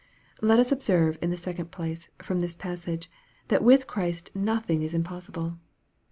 Let us observe, in the second place, from this passage, that with Christ nothing is impossible.